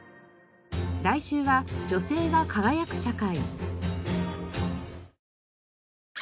来週は「女性が輝く社会」。